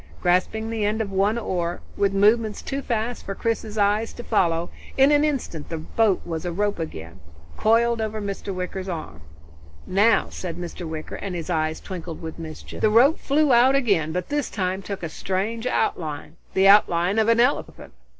Grasping the end of one oar, with movements too fast for Chris's eyes to follow, in an instant the boat was a rope again, coiled over Mr. Wicker's arm. "Now!" said Mr. Wicker, and his eyes twinkled with mischief. The rope flew out again, but this time took a strange outline the outline of an elephant.